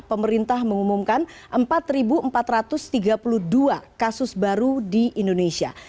pemerintah mengumumkan empat empat ratus tiga puluh dua kasus baru di indonesia